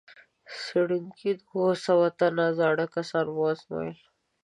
څېړونکو اووه سوه تنه زاړه کسان وازمویل.